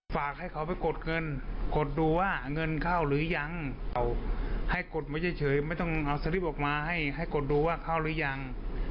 ฝากให้เขาไปกดเงินกดดูว่าเงินเข้าหรือยังเอาให้กดมาเฉยไม่ต้องเอาสลิปออกมาให้กดดูว่าเข้าหรือยัง